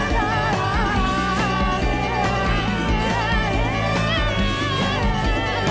sampai jumpa di sana